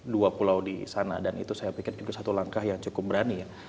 dua pulau di sana dan itu saya pikir juga satu langkah yang cukup berani ya